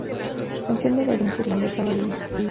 La extensión de la herencia irlandesa varía.